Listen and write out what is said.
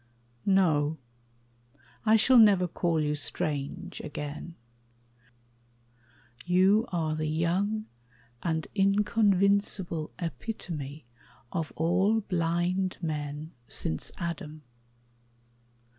No, I shall never call you strange again: You are the young and inconvincible Epitome of all blind men since Adam.